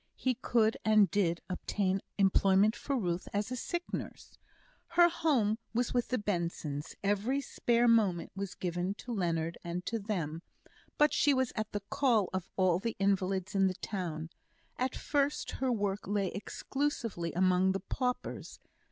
He could and did obtain employment for Ruth as a sick nurse. Her home was with the Bensons; every spare moment was given to Leonard and to them; but she was at the call of all the invalids in the town. At first her work lay exclusively among the paupers.